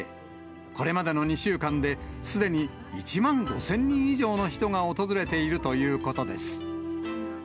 これまでの２週間で、すでに１万５０００人以上の人が訪れているということです。